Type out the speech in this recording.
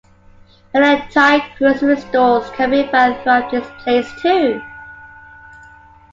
Many Thai grocery stores can be found throughout this place, too.